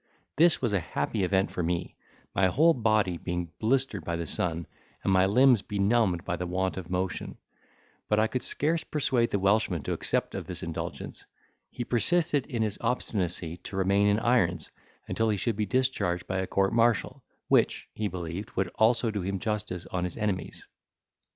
This was a happy event for me, my whole body being blistered by the sun, and my limbs benumbed by want of motion: but I could scarce persuade the Welshman to accept of this indulgence, he persisted in his obstinacy to remain in irons, until he should be discharged by a court martial, which, he believed would also do him justice on his enemies.